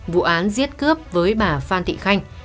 vụ án giết cướp với bà phan thị khanh